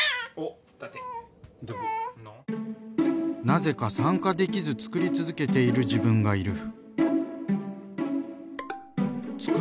「なぜか参加できずつくり続けている自分がいる」。